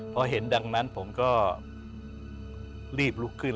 พอเห็นดังนั้นผมก็รีบลุกขึ้น